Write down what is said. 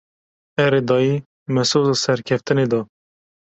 Erê dayê, me soza serkeftinê da.